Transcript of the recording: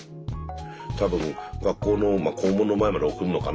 多分学校の校門の前まで送るのかな。